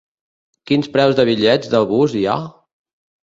Quins preus de bitllets de bus hi ha?